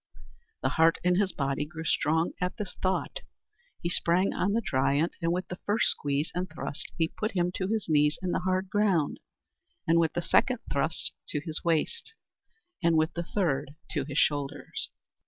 The heart in his body grew strong at this thought. He sprang on the giant, and with the first squeeze and thrust he put him to his knees in the hard ground, with the second thrust to his waist, and with the third to his shoulders.